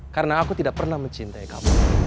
karena aku tidak pernah mencintai kamu